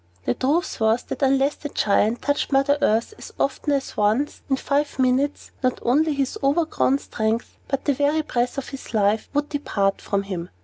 The truth was that unless the Giant touched Mother Earth as often as once in five minutes, not only his overgrown strength, but the very breath of his life, would depart from him.